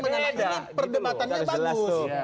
ini perdebatannya bagus